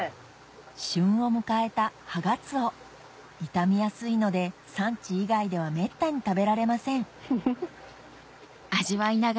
旬を迎えたハガツオ傷みやすいので産地以外ではめったに食べられませんフフフ。